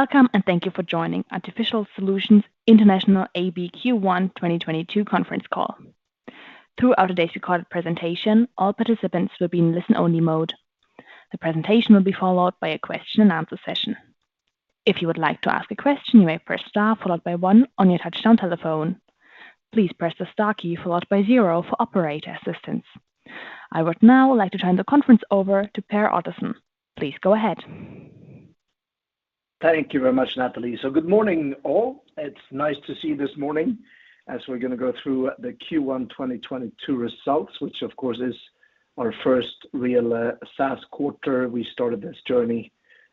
Welcome, and thank you for joining Artificial Solutions International AB Q1 2022 Conference Call. Throughout today's recorded presentation, all participants will be in listen-only mode. The presentation will be followed by a question-and-answer session. If you would like to ask a question, you may press star followed by one on your touchtone telephone. Please press the star key followed by zero for operator assistance. I would now like to turn the conference over to Per Ottosson. Please go ahead. Thank you very much, Natalie. Good morning, all. It's nice to see you this morning as we're gonna go through the Q1 2022 results, which of course is our first real, SaaS quarter. We started this journey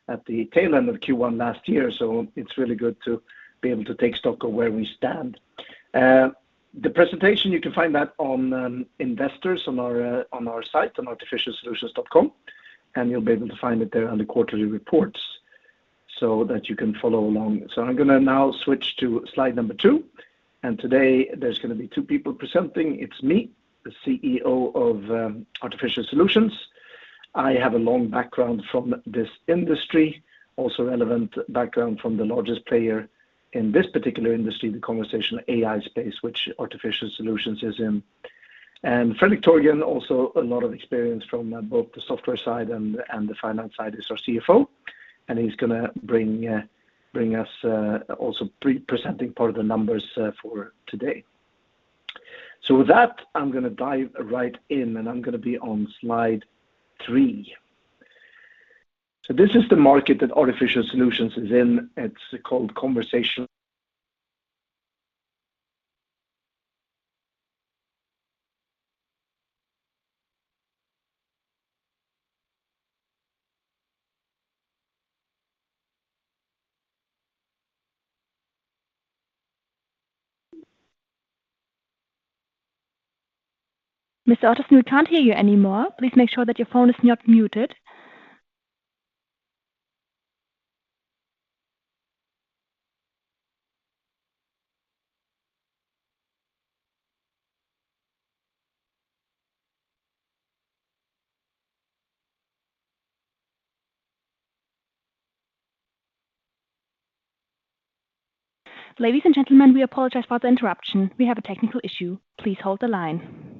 at the tail end of Q1 last year, so it's really good to be able to take stock of where we stand. The presentation, you can find that on, Investors on our, on our site, on artificialsolutions.com, and you'll be able to find it there under Quarterly Reports so that you can follow along. I'm gonna now switch to slide number two. Today there's gonna be two people presenting. It's me, the CEO of Artificial Solutions. I have a long background from this industry, also relevant background from the largest player in this particular industry, the conversational AI space, which Artificial Solutions is in. Fredrik Törgren, also a lot of experience from both the software side and the finance side, is our CFO, and he's gonna bring us also presenting part of the numbers for today. With that, I'm gonna dive right in, and I'm gonna be on slide three. This is the market that Artificial Solutions is in. It's called conversational- Mr. Ottosson, we can't hear you anymore. Please make sure that your phone is not muted. Ladies and gentlemen, we apologize for the interruption. We have a technical issue. Please hold the line.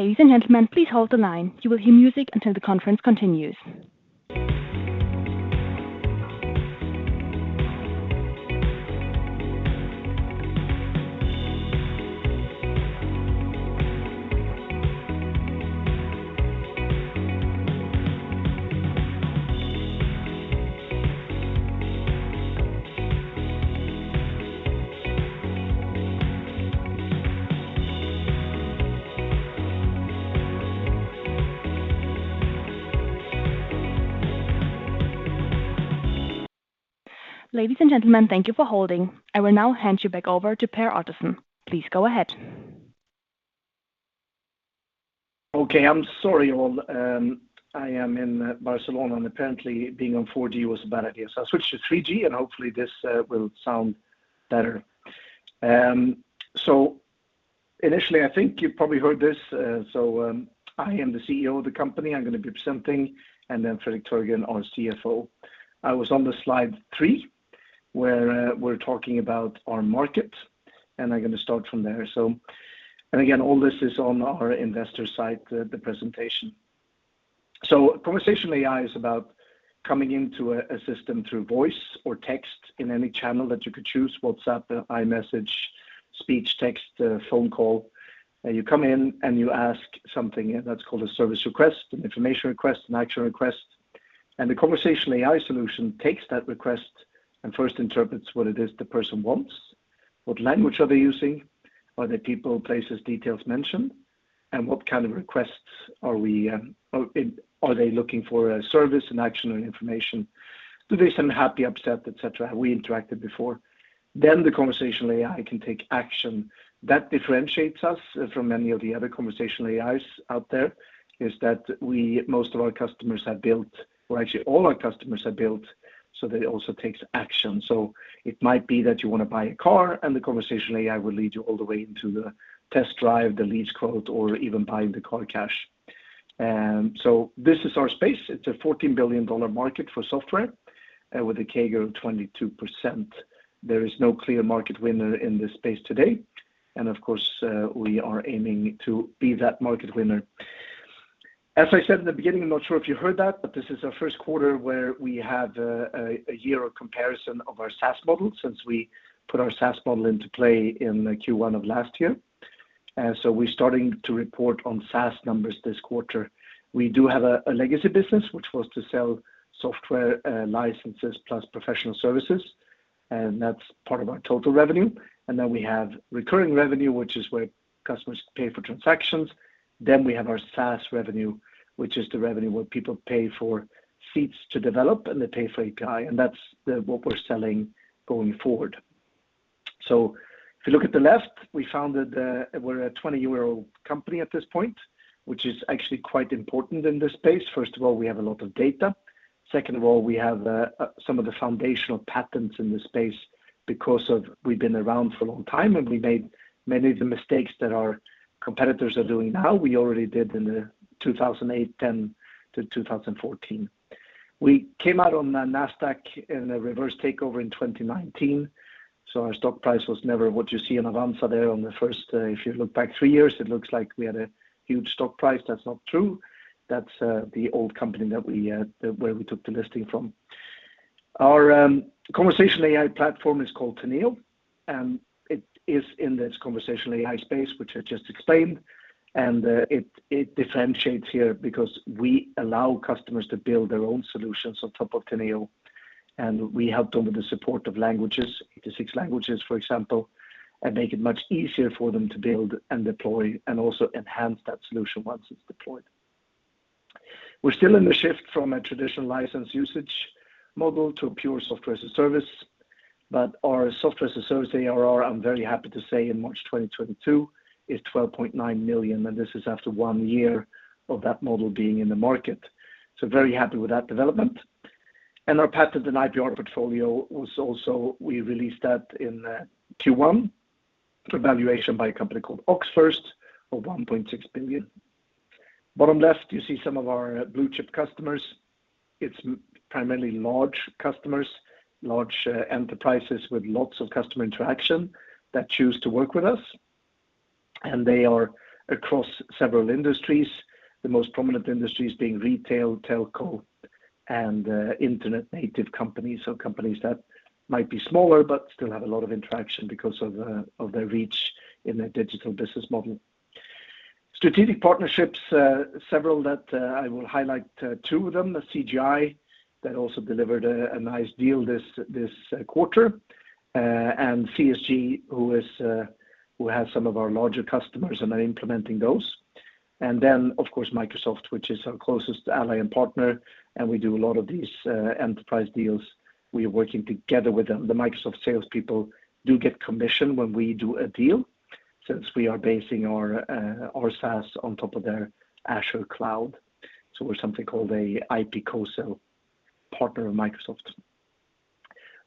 Ladies and gentlemen, thank you for holding. I will now hand you back over to Per Ottosson. Please go ahead. Okay. I'm sorry, all. I am in Barcelona, and apparently being on 4G was a bad idea. I switched to 3G, and hopefully this will sound better. Initially, I think you probably heard this. I am the CEO of the company. I'm gonna be presenting, and then Fredrik Törgren, our CFO. I was on the slide three, where we're talking about our market, and I'm gonna start from there. Again, all this is on our investor site, the presentation. Conversational AI is about coming into a system through voice or text in any channel that you could choose, WhatsApp, iMessage, speech, text, phone call. You come in and you ask something, and that's called a service request, an information request, an action request. The conversational AI solution takes that request and first interprets what it is the person wants, what language are they using, are there people, places, details mentioned, and what kind of requests are we, or are they looking for a service, an action, or information? Do they sound happy, upset, et cetera? Have we interacted before? The conversational AI can take action. That differentiates us from many of the other conversational AIs out there, is that we most of our customers have built or actually all our customers have built so that it also takes action. It might be that you wanna buy a car, and the conversational AI will lead you all the way into the test drive, the lease quote, or even buying the car cash. This is our space. It's a $14 billion market for software, with a CAGR of 22%. There is no clear market winner in this space today. Of course, we are aiming to be that market winner. As I said in the beginning, I'm not sure if you heard that, but this is our first quarter where we have a year of comparison of our SaaS model since we put our SaaS model into play in Q1 of last year. We're starting to report on SaaS numbers this quarter. We do have a legacy business which was to sell software licenses plus professional services, and that's part of our total revenue. Then we have recurring revenue, which is where customers pay for transactions. We have our SaaS revenue, which is the revenue where people pay for seats to develop and they pay for API, and that's what we're selling going forward. If you look at the left, we found that, we're a 20-year-old company at this point, which is actually quite important in this space. First of all, we have a lot of data. Second of all, we have some of the foundational patents in this space because we've been around for a long time, and we made many of the mistakes that our competitors are doing now, we already did in 2010 to 2014. We came out on the Nasdaq in a reverse takeover in 2019, so our stock price was never what you see in Avanza there on the first day. If you look back three years, it looks like we had a huge stock price. That's not true. That's the old company where we took the listing from. Our conversational AI platform is called Teneo, and it is in this conversational AI space, which I just explained. It differentiates here because we allow customers to build their own solutions on top of Teneo, and we help them with the support of languages, 86 languages, for example, and make it much easier for them to build and deploy and also enhance that solution once it's deployed. We're still in the shift from a traditional license usage model to a pure software as a service. Our software as a service ARR, I'm very happy to say in March 2022 is 12.9 million, and this is after one year of that model being in the market. Very happy with that development. Our patent and IPR portfolio was also we released that in Q1 for valuation by a company called OxFirst of 1.6 billion. Bottom left, you see some of our blue-chip customers. It's primarily large customers, large enterprises with lots of customer interaction that choose to work with us, and they are across several industries, the most prominent industries being retail, telco, and internet-native companies. Companies that might be smaller but still have a lot of interaction because of their reach in their digital business model. Strategic partnerships, several that I will highlight, two of them, the CGI that also delivered a nice deal this quarter. CSG, who has some of our larger customers and are implementing those. Then, of course, Microsoft, which is our closest ally and partner, and we do a lot of these enterprise deals. We are working together with them. The Microsoft salespeople do get commission when we do a deal since we are basing our SaaS on top of their Azure cloud. We're something called a IP Co-sell partner of Microsoft.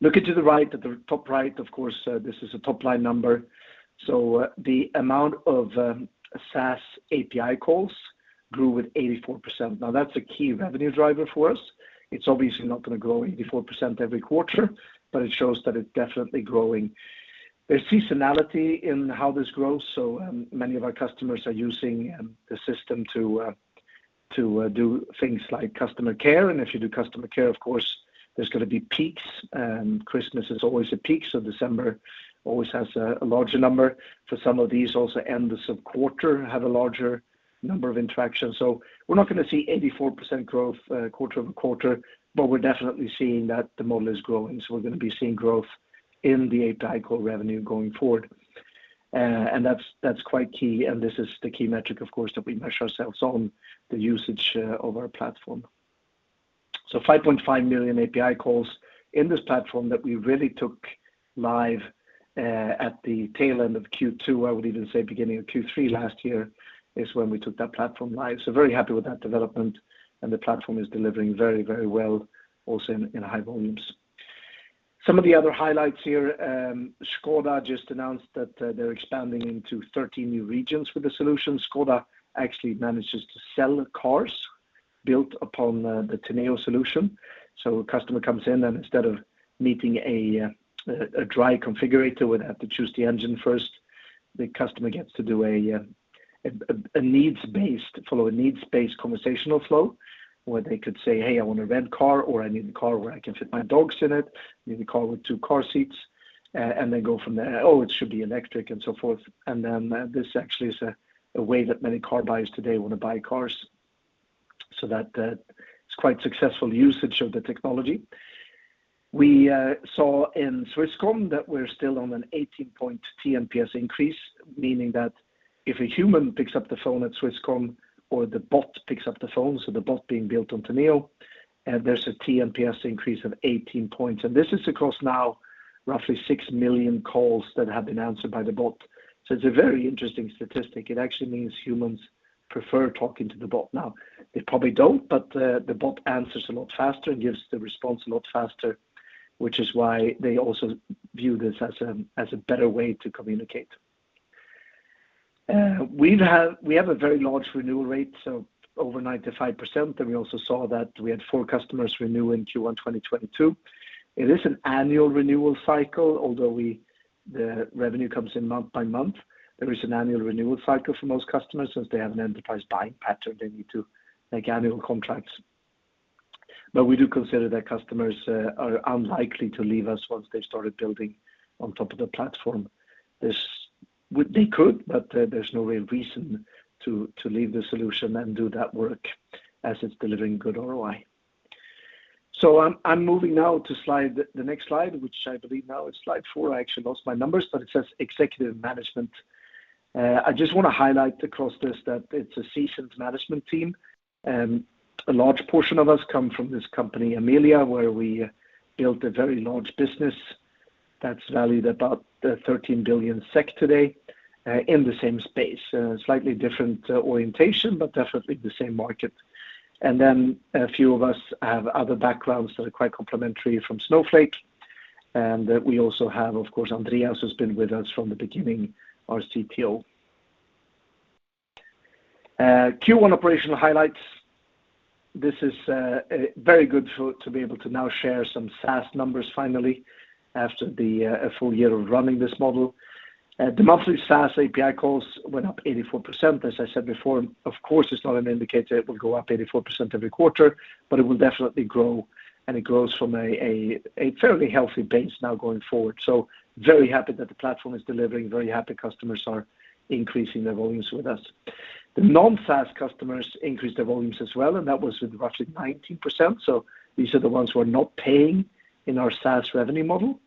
Looking to the right, at the top right, of course, this is a top-line number. The amount of SaaS API calls grew with 84%. Now, that's a key revenue driver for us. It's obviously not gonna grow 84% every quarter, but it shows that it's definitely growing. There's seasonality in how this grows, so many of our customers are using the system to do things like customer care. If you do customer care, of course, there's gonna be peaks, and Christmas is always a peak. December always has a larger number. For some of these also end of quarter have a larger number of interactions. We're not gonna see 84% growth quarter-over-quarter, but we're definitely seeing that the model is growing. We're gonna be seeing growth in the API call revenue going forward. And that's quite key. This is the key metric, of course, that we measure ourselves on the usage of our platform. 5.5 million API calls in this platform that we really took live at the tail end of Q2. I would even say beginning of Q3 last year is when we took that platform live. Very happy with that development, and the platform is delivering very, very well, also in high volumes. Some of the other highlights here, Škoda just announced that they're expanding into 13 new regions with the solution. Škoda actually manages to sell cars built upon the Teneo solution. A customer comes in, instead of meeting a dry configurator where they have to choose the engine first, the customer gets to follow a needs-based conversational flow, where they could say, "Hey, I want a red car," or, "I need a car where I can fit my dogs in it. I need a car with two car seats." They go from there, "Oh, it should be electric," and so forth. This actually is a way that many car buyers today wanna buy cars. That is quite successful usage of the technology. We saw in Swisscom that we're still on an 18-point tNPS increase, meaning that if a human picks up the phone at Swisscom or the bot picks up the phone, so the bot being built on Teneo, there's a tNPS increase of 18 points. This is across now roughly 6 million calls that have been answered by the bot. It's a very interesting statistic. It actually means humans prefer talking to the bot. Now, they probably don't, but the bot answers a lot faster and gives the response a lot faster. Which is why they also view this as a better way to communicate. We have a very large renewal rate, so over 95%, and we also saw that we had four customers renew in Q1 2022. It is an annual renewal cycle, although the revenue comes in month by month, there is an annual renewal cycle for most customers since they have an enterprise buying pattern, they need to make annual contracts. We do consider that customers are unlikely to leave us once they've started building on top of the platform. They could, but there's no real reason to leave the solution and do that work as it's delivering good ROI. I'm moving now to the next slide, which I believe now is slide four. I actually lost my numbers, but it says executive management. I just wanna highlight across this that it's a seasoned management team, and a large portion of us come from this company, Amelia, where we built a very large business that's valued about 13 billion SEK today, in the same space. Slightly different orientation, but definitely the same market. Then a few of us have other backgrounds that are quite complementary from Snowflake. We also have, of course, Andreas, who's been with us from the beginning, our CTO. Q1 operational highlights. This is very good to be able to now share some SaaS numbers finally after the full year of running this model. The monthly SaaS API calls went up 84%. As I said before, of course, it's not an indicator it will go up 84% every quarter, but it will definitely grow, and it grows from a fairly healthy base now going forward. Very happy that the platform is delivering, very happy customers are increasing their volumes with us. The non-SaaS customers increased their volumes as well, and that was with roughly 19%. These are the ones who are not paying in our SaaS revenue model.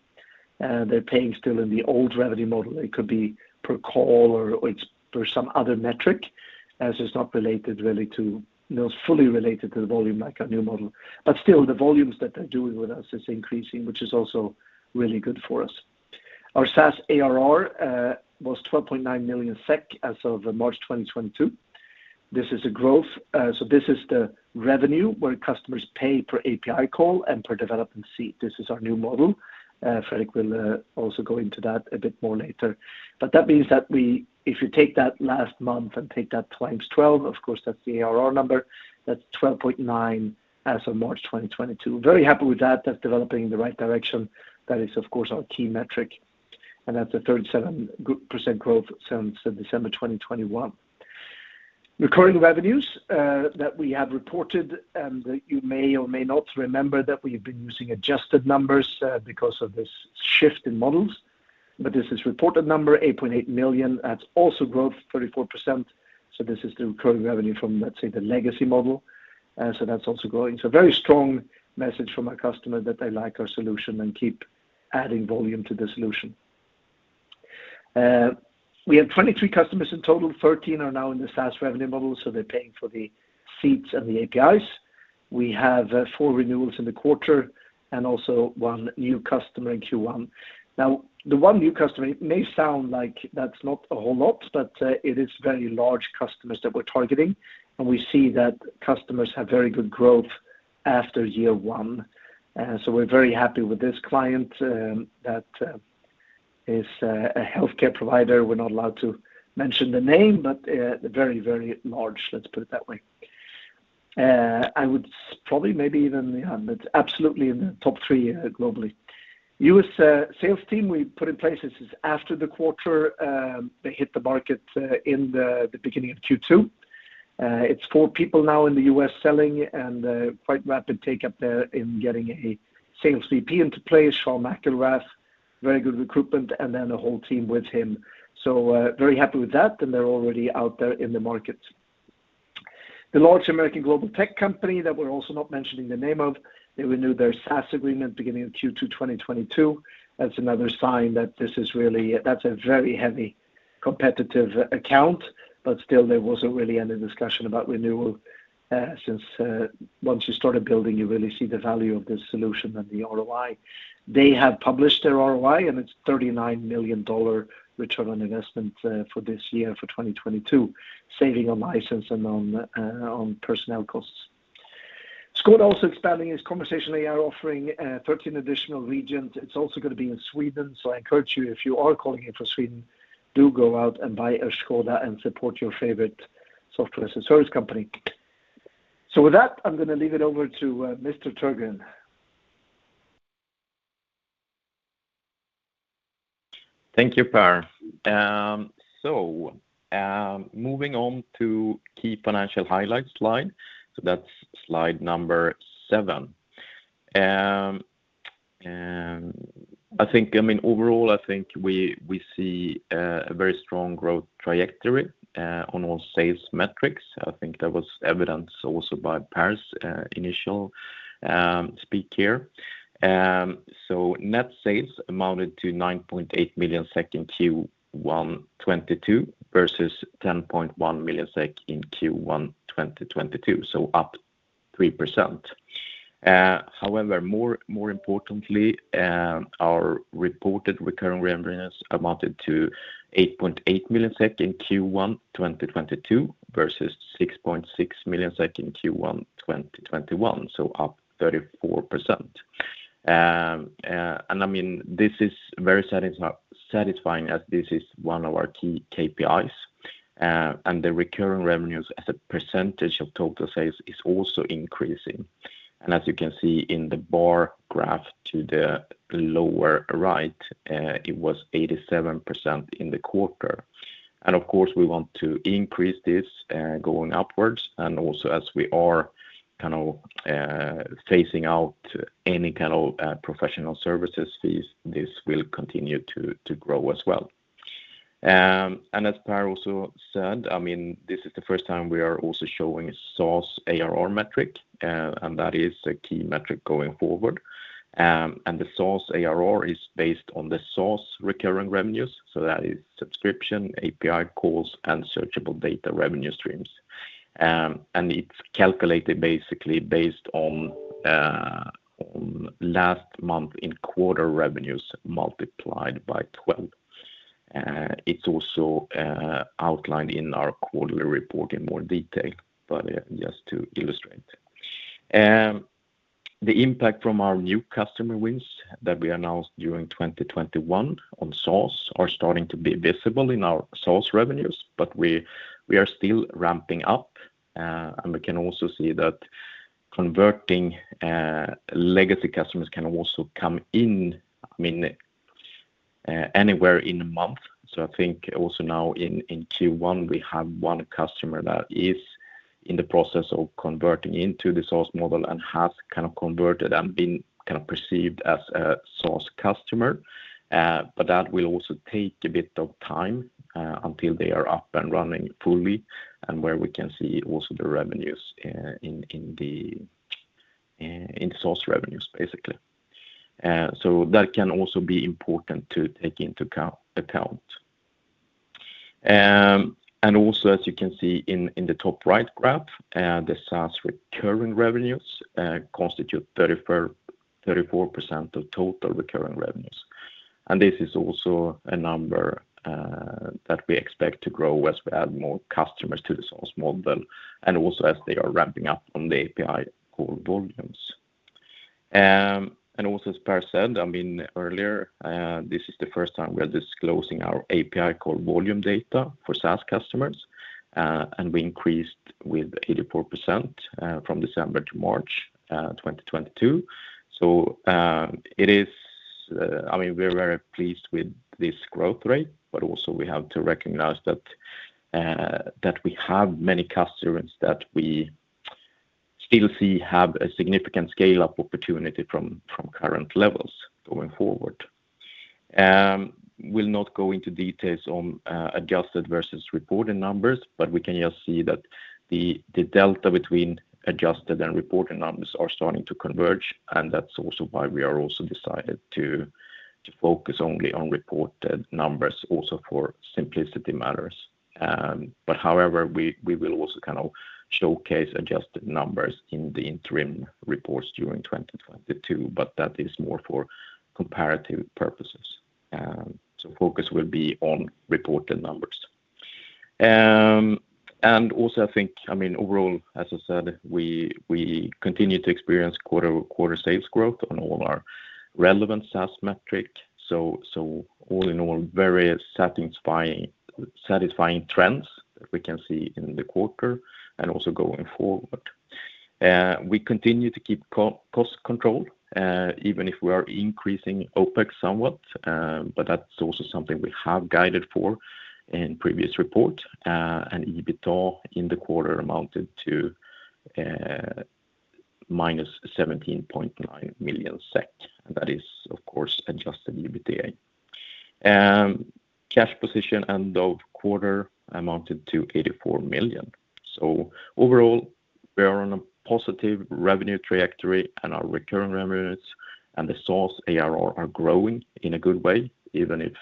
They're paying still in the old revenue model. It could be per call or it's for some other metric, as it's not related really to, you know, fully related to the volume like our new model. But still, the volumes that they're doing with us is increasing, which is also really good for us. Our SaaS ARR was 12.9 million SEK as of March 2022. This is a growth. This is the revenue where customers pay per API call and per development seat. This is our new model. Fredrik will also go into that a bit more later. That means that we, if you take that last month and take that times 12, of course, that's the ARR number. That's 12.9 As of March 2022. Very happy with that. That's developing in the right direction. That is, of course, our key metric. That's a 37% growth since December 2021. Recurring revenues that we have reported, and you may or may not remember that we've been using adjusted numbers because of this shift in models. This is reported number, 8.8 million. That's also growth, 34%. This is the recurring revenue from, let's say, the legacy model. That's also growing. A very strong message from our customer that they like our solution and keep adding volume to the solution. We have 23 customers in total. 13 are now in the SaaS revenue model, so they're paying for the seats and the APIs. We have four renewals in the quarter and also one new customer in Q1. Now, the one new customer may sound like that's not a whole lot, but it is very large customers that we're targeting, and we see that customers have very good growth after year one. We're very happy with this client, that is a healthcare provider. We're not allowed to mention the name, but very, very large, let's put it that way. I would probably maybe even, yeah, it's absolutely in the top three globally. U.S. sales team we put in place. This is after the quarter, they hit the market in the beginning of Q2. It's four people now in the U.S. selling and quite rapid take up there in getting a Sales VP into place, Sean McIlrath, very good recruitment, and then a whole team with him. Very happy with that, and they're already out there in the market. The large American global tech company that we're also not mentioning the name of, they renew their SaaS agreement beginning of Q2 2022. That's another sign that this is really a very heavy competitive account, but still there wasn't really any discussion about renewal, since once you started building, you really see the value of this solution and the ROI. They have published their ROI, and it's $39 million return on investment for this year, for 2022, saving on license and on personnel costs. ŠKODA also expanding its conversational AI offering 13 additional regions. It's also gonna be in Sweden. I encourage you, if you are calling in from Sweden, do go out and buy a ŠKODA and support your favorite software as a service company. With that, I'm gonna leave it over to Mr. Törgren. Thank you, Per. Moving on to key financial highlights slide. That's slide number seven. I mean, overall, I think we see a very strong growth trajectory on all sales metrics. I think that was evidenced also by Per's initial speech here. Net sales amounted to 10.1 million SEK in Q1 2022 versus SEK 9.8 million in Q1 2021, up 3%. However, more importantly, our reported recurring revenues amounted to 8.8 million SEK in Q1 2022 versus 6.6 million SEK in Q1 2021, up 34%. I mean, this is very satisfying as this is one of our key KPIs. The recurring revenues as a percentage of total sales is also increasing. As you can see in the bar graph to the lower right, it was 87% in the quarter. Of course, we want to increase this going upwards. Also as we are kind of phasing out any kind of professional services fees, this will continue to grow as well. As Per also said, I mean, this is the first time we are also showing a SaaS ARR metric, and that is a key metric going forward. The SaaS ARR is based on the SaaS recurring revenues, so that is subscription, API calls, and searchable data revenue streams. It's calculated basically based on last month in quarter revenues multiplied by 12. It's also outlined in our quarterly report in more detail, but just to illustrate. The impact from our new customer wins that we announced during 2021 on SaaS are starting to be visible in our SaaS revenues. We are still ramping up, and we can also see that converting legacy customers can also come in, I mean, anywhere in a month. I think also now in Q1, we have one customer that is in the process of converting into the SaaS model and has kind of converted and been kind of perceived as a SaaS customer. That will also take a bit of time until they are up and running fully, and where we can see also the revenues in SaaS revenues, basically. That can also be important to take into account. As you can see in the top right graph, the SaaS recurring revenues constitute 34% of total recurring revenues. This is also a number that we expect to grow as we add more customers to the SaaS model, and also as they are ramping up on the API call volumes. As Per said, I mean, earlier, this is the first time we are disclosing our API call volume data for SaaS customers, and we increased with 84% from December to March 2022. We're very pleased with this growth rate, but also we have to recognize that we have many customers that we still see have a significant scale-up opportunity from current levels going forward. We'll not go into details on adjusted versus reported numbers, but we can just see that the delta between adjusted and reported numbers is starting to converge, and that's also why we have also decided to focus only on reported numbers also for simplicity's sake. However, we will also kind of showcase adjusted numbers in the interim reports during 2022, but that is more for comparative purposes. Focus will be on reported numbers. I think, I mean, overall, as I said, we continue to experience quarter sales growth on all our relevant SaaS metrics. All in all, very satisfying trends that we can see in the quarter and also going forward. We continue to keep cost control, even if we are increasing OPEX somewhat, but that's also something we have guided for in previous report. EBITA in the quarter amounted to -17.9 million SEK, and that is of course Adjusted EBITA. Cash position end of quarter amounted to 84 million. Overall, we are on a positive revenue trajectory, and our recurring revenues and the SaaS ARR are growing in a good way, even if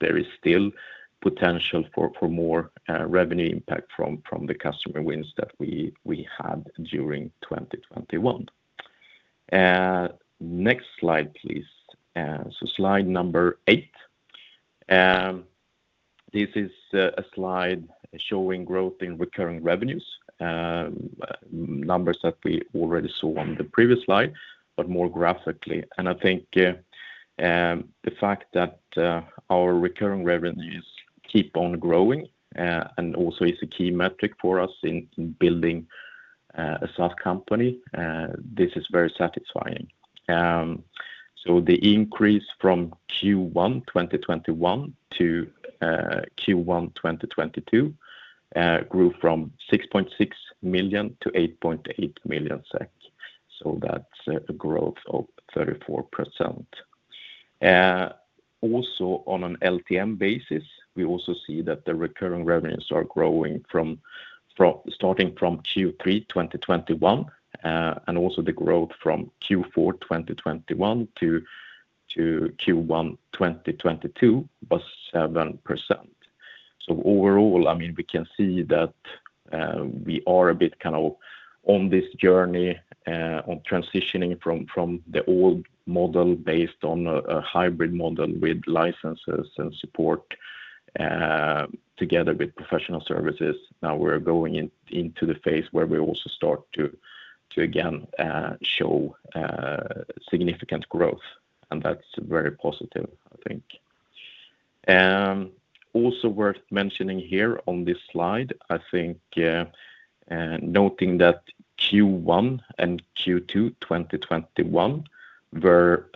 there is still potential for more revenue impact from the customer wins that we had during 2021. Next slide, please. Slide number eight. This is a slide showing growth in recurring revenues, numbers that we already saw on the previous slide, but more graphically. I think the fact that our recurring revenues keep on growing and also is a key metric for us in building a SaaS company, this is very satisfying. The increase from Q1 2021 to Q1 2022 grew from 6.6 million to 8.8 million SEK, so that's a growth of 34%. On an LTM basis, we also see that the recurring revenues are growing starting from Q3 2021, and also the growth from Q4 2021 to Q1 2022 was 7%. Overall, I mean, we can see that we are a bit kind of on this journey on transitioning from the old model based on a hybrid model with licenses and support together with professional services. Now we're going into the phase where we also start to again show significant growth, and that's very positive, I think. Also worth mentioning here on this slide, I think, noting that Q1 and Q2 2021 were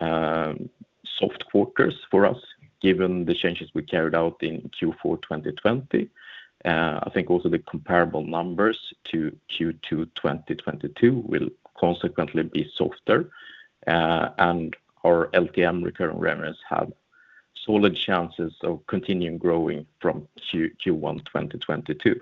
soft quarters for us, given the changes we carried out in Q4 2020. I think also the comparable numbers to Q2 2022 will consequently be softer, and our LTM recurring revenues have solid chances of continuing growing from Q1 2022.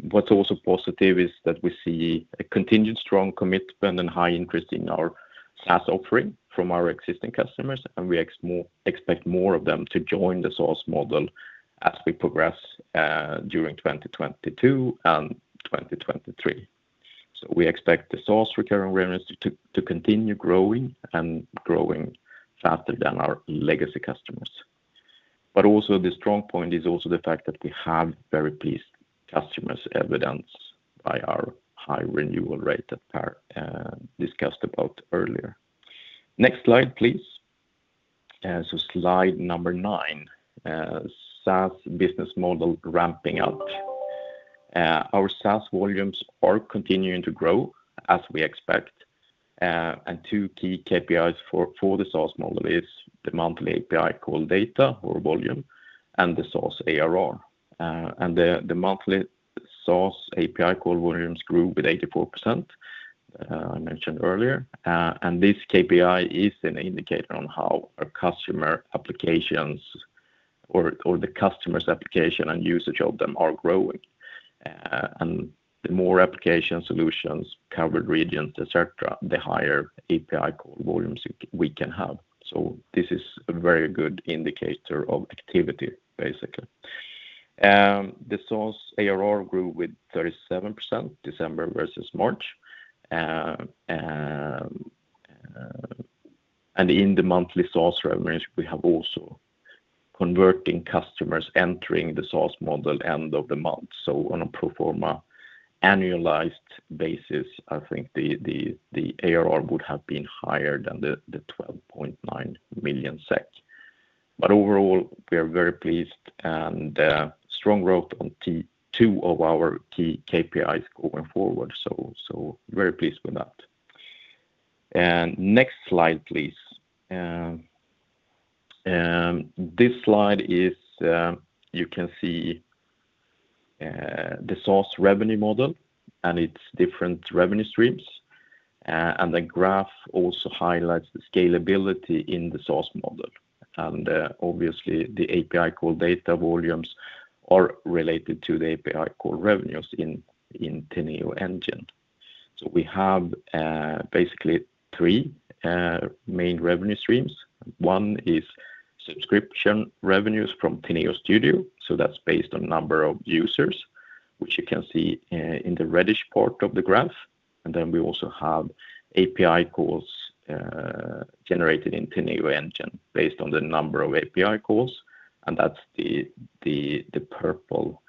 What's also positive is that we see a continued strong commitment and high interest in our SaaS offering from our existing customers, and we expect more of them to join the SaaS model as we progress during 2022 and 2023. We expect the SaaS recurring revenues to continue growing and growing faster than our legacy customers. Also the strong point is also the fact that we have very pleased customers evidenced by our high renewal rate that Per discussed about earlier. Next slide, please. Slide number nine, SaaS business model ramping up. Our SaaS volumes are continuing to grow as we expect. Two key KPIs for the SaaS model is the monthly API call data or volume and the SaaS ARR. The monthly SaaS API call volumes grew 84%, I mentioned earlier. This KPI is an indicator on how our customer applications or the customer's application and usage of them are growing. The more application solutions, covered regions, et cetera, the higher API call volumes we can have. This is a very good indicator of activity, basically. The SaaS ARR grew 37% December versus March. In the monthly SaaS revenues, we have also converting customers entering the SaaS model end of the month. On a pro forma annualized basis, I think the ARR would have been higher than the 12.9 million SEK. Overall, we are very pleased and strong growth on two of our key KPIs going forward. Very pleased with that. Next slide, please. This slide is, you can see, the SaaS revenue model and its different revenue streams. The graph also highlights the scalability in the SaaS model. Obviously the API call data volumes are related to the API call revenues in Teneo Engine. We have basically three main revenue streams. One is subscription revenues from Teneo Studio, so that's based on number of users, which you can see in the reddish part of the graph. We also have API calls generated in Teneo Engine based on the number of API calls, and that's the purple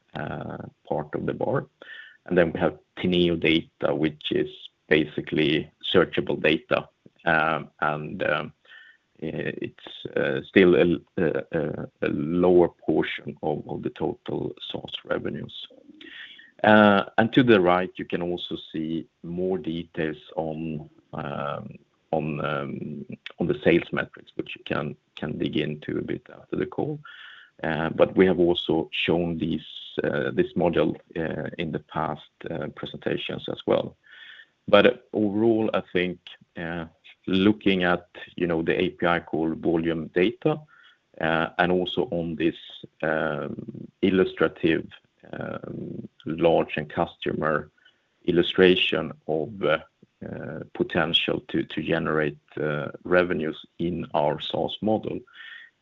part of the bar. We have Teneo Data, which is basically searchable data, and it's still a lower portion of the total SaaS revenues. To the right, you can also see more details on the sales metrics, which you can dig into a bit after the call. We have also shown this module in the past presentations as well. Overall, I think, looking at, you know, the API call volume data, and also on this, illustrative, large end customer illustration of, potential to generate, revenues in our SaaS model,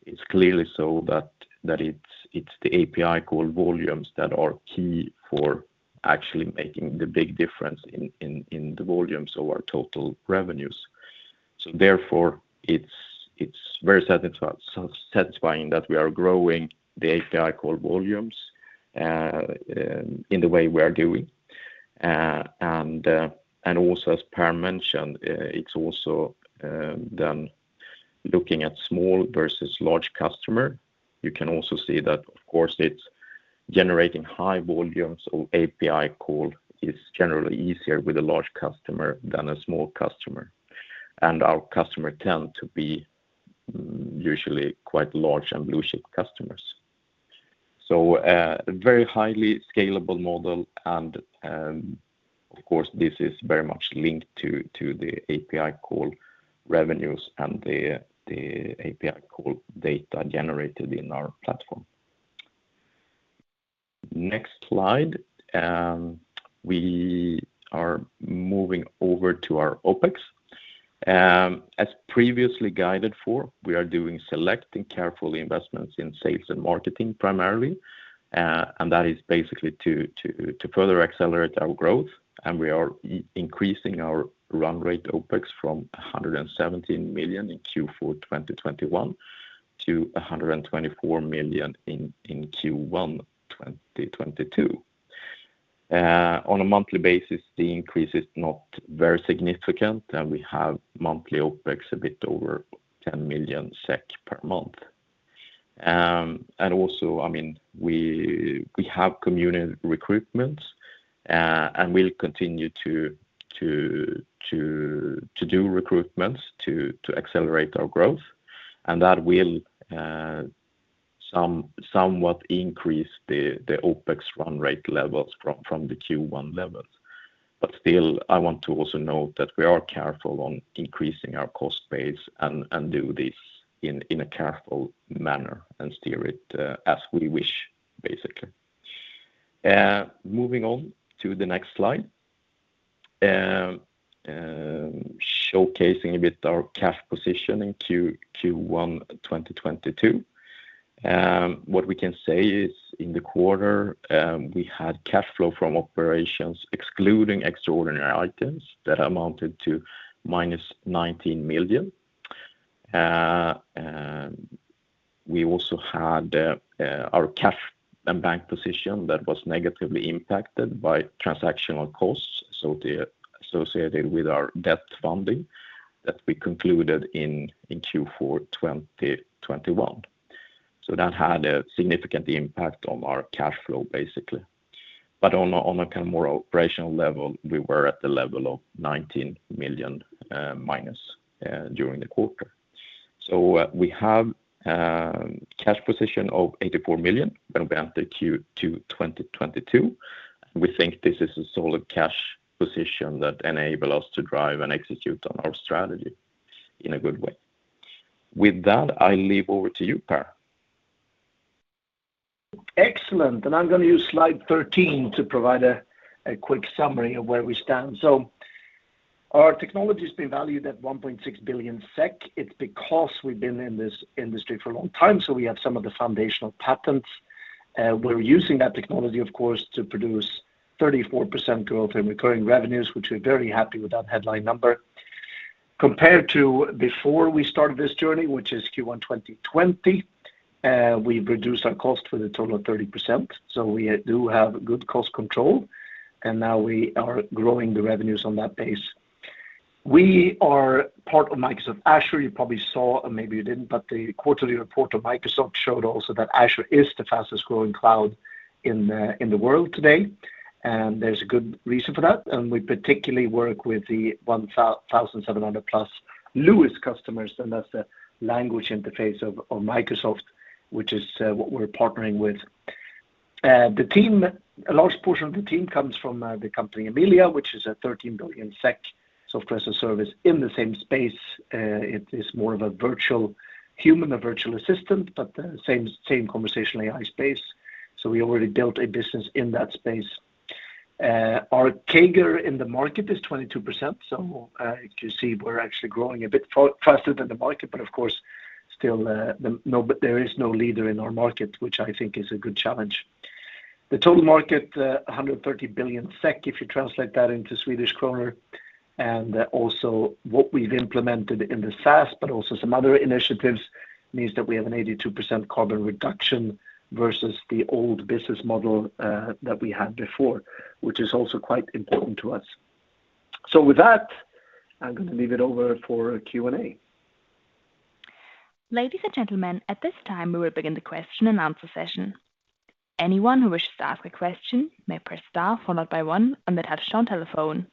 it's clearly so that, it's the API call volumes that are key for actually making the big difference in the volumes of our total revenues. Therefore, it's very satisfying that we are growing the API call volumes in the way we are doing. Also, as Per mentioned, it's also then looking at small versus large customer. You can also see that of course, it's generating high volumes of API calls is generally easier with a large customer than a small customer. Our customers tend to be usually quite large and blue-chip customers. A very highly scalable model and of course, this is very much linked to the API call revenues and the API call data generated in our platform. Next slide. We are moving over to our OpEx. As previously guided for, we are doing select and careful investments in sales and marketing primarily. That is basically to further accelerate our growth. We are increasing our run rate OpEx from 117 million in Q4 2021 to 124 million in Q1 2022. On a monthly basis, the increase is not very significant, and we have monthly OpEx a bit over SEK 10 million per month. I mean, we have community recruitments, and we'll continue to do recruitments to accelerate our growth. That will somewhat increase the OpEx run rate levels from the Q1 levels. Still, I want to also note that we are careful on increasing our cost base and do this in a careful manner and steer it as we wish, basically. Moving on to the next slide, showcasing a bit our cash position in Q1 2022. What we can say is in the quarter, we had cash flow from operations excluding extraordinary items that amounted to -19 million. We also had our cash and bank position that was negatively impacted by transactional costs associated with our debt funding that we concluded in Q4 2021. That had a significant impact on our cash flow, basically. On a kind of more operational level, we were at the level of -19 million during the quarter. We have cash position of 84 million going back to Q2 2022. We think this is a solid cash position that enable us to drive and execute on our strategy in a good way. With that, I leave over to you, Per. Excellent. I'm gonna use slide 13 to provide a quick summary of where we stand. Our technology has been valued at 1.6 billion SEK. It's because we've been in this industry for a long time, so we have some of the foundational patents. We're using that technology, of course, to produce 34% growth in recurring revenues, which we're very happy with that headline number. Compared to before we started this journey, which is Q1 2020, we've reduced our cost with a total of 30%. We do have good cost control, and now we are growing the revenues on that base. We are part of Microsoft Azure. You probably saw, or maybe you didn't, but the quarterly report of Microsoft showed also that Azure is the fastest-growing cloud in the world today, and there's a good reason for that. We particularly work with the 1,700+ LUIS customers, and that's the language interface of Microsoft, which is what we're partnering with. The team, a large portion of the team comes from the company Amelia, which is a 13 billion SEK software service in the same space. It is more of a virtual human, a virtual assistant, but the same conversational AI space. We already built a business in that space. Our CAGR in the market is 22%. If you see, we're actually growing a bit faster than the market, but of course, still, there is no leader in our market, which I think is a good challenge. The total market, 130 billion SEK, if you translate that into Swedish krona. Also what we've implemented in the SaaS, but also some other initiatives, means that we have an 82% carbon reduction versus the old business model, that we had before, which is also quite important to us. With that, I'm gonna leave it over for a Q&A. Ladies and gentlemen, at this time, we will begin the question and answer session. Anyone who wishes to ask a question may press star followed by one on the touch-tone telephone.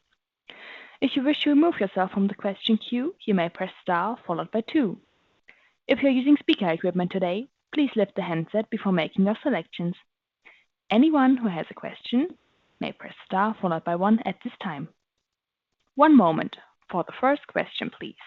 If you wish to remove yourself from the question queue, you may press star followed by two. If you're using speaker equipment today, please lift the handset before making your selections. Anyone who has a question may press star followed by one at this time. One moment for the first question, please.